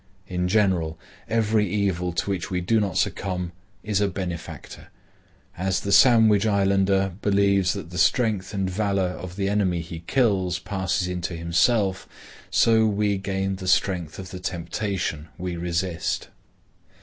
In general, every evil to which we do not succumb is a benefactor. As the Sandwich Islander believes that the strength and valor of the enemy he kills passes into himself, so we gain the strength of the temptation we resist.